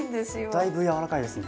だいぶやわらかいですね。